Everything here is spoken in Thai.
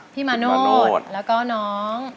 มาโนธแล้วก็น้อง